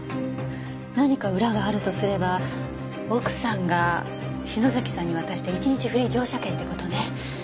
何か裏があるとすれば奥さんが篠崎さんに渡した１日フリー乗車券って事ね。